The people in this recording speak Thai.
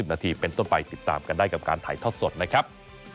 นาทีเป็นต้นไปติดตามกันได้กับการถ่ายทอดสดนะครับ